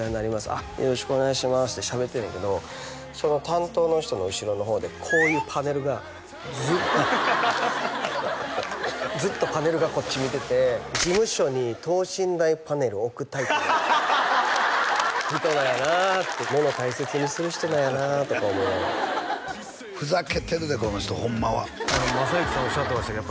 「あっよろしくお願いします」ってしゃべってんねんけどその担当の人の後ろの方でこういうパネルがずっとずっとパネルがこっち見てて事務所に等身大パネル置くタイプの人なんやなって物大切にする人なんやなとか思いながらふざけてるでこの人ホンマは雅之さんおっしゃってましたけど